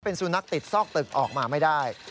สุนัขติดซอกตึกออกมาไม่ได้